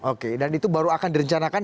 oke dan itu baru akan direncanakan